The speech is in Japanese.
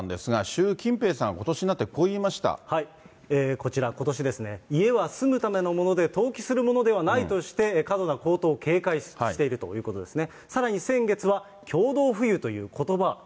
こちら、ことしですね、家は住むためのものでとうきするものではないとして、過度な高騰を警戒しているということですね。